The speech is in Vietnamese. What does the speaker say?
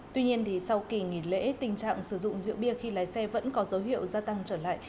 tuy nhiên sau kỳ nghỉ lễ tình trạng sử dụng rượu bia khi lái xe vẫn có dấu hiệu gia tăng trở lại